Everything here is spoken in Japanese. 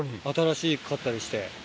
新しかったりして。